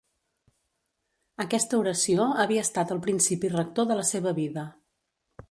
Aquesta oració havia estat el principi rector de la seva vida.